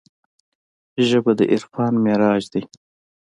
ژبه د عرفان معراج دی